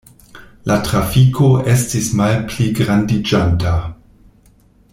La trafiko estis malpligrandiĝanta.